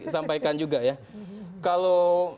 sampaikan juga ya kalau